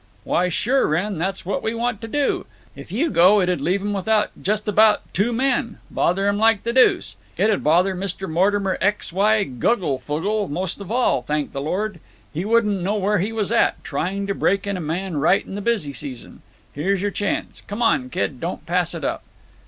"Why, sure, Wrenn; that's what we want to do. If you go it 'd leave 'em without just about two men. Bother 'em like the deuce. It 'd bother Mr. Mortimer X. Y. Guglefugle most of all, thank the Lord. He wouldn't know where he was at—trying to break in a man right in the busy season. Here's your chance. Come on, kid; don't pass it up."